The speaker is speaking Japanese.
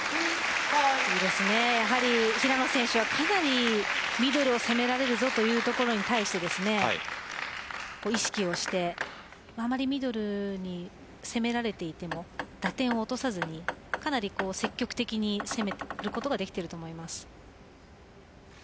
平野選手は、かなりミドルを攻められるぞというところに対して意識をしてあまりミドルに攻められていても打点を落とさずにかなり積極的に攻めることができていると思います。